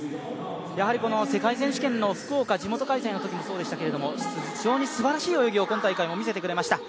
やはり世界選手権の福岡、地元開催のときもそうでしたけど、非常にすばらしい泳ぎを今大会も見せてくれました。